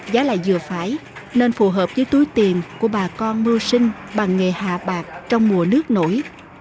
giá lại dừa phải nên phù hợp với túi tiền của bà con mưu sinh bằng nghề hạ bạc trong mùa nước nổi